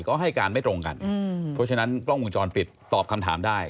ก็ให้การไม่ตรงกันเพราะฉะนั้นกล้องวงจรปิดตอบคำถามได้